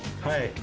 はい。